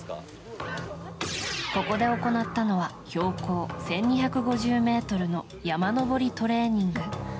ここで行ったのは標高１２５０ｍの山登りトレーニング。